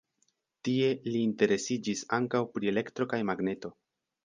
Tie li interesiĝis ankaŭ pri elektro kaj magneto.